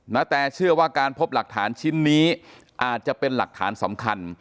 นาแตเชื่อว่าการพบหลักฐานชิ้นนี้อาจจะเป็นหลักฐานสำคัญ